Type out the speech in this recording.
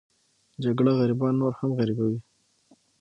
جګړه غریبان نور هم غریبوي